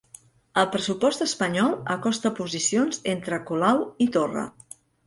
El pressupost espanyol acosta posicions entre Colau i Torra